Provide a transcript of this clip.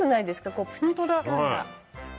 こうプチプチ感が。